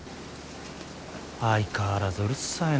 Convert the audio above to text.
相変わらずうるさいな。